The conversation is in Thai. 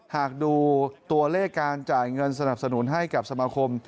หากดูตัวเลขการจ่ายเงินสนับสนุนให้กับสมาคม